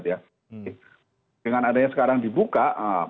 dengan adanya sekarang dibuka